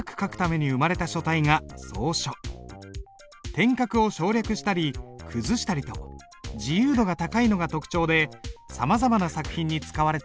点画を省略したり崩したりと自由度が高いのが特徴でさまざまな作品に使われている。